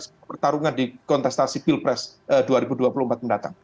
pertarungan di kontestasi pilpres dua ribu dua puluh empat mendatang